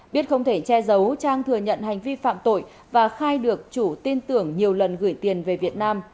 biết không thể che giấu trang thừa nhận hành vi phạm tội và khai được chủ tin tưởng nhiều lần gửi tiền về việt nam